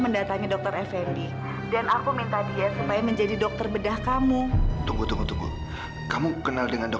dan kalau mau jujur papa juga tidak suka dengan edo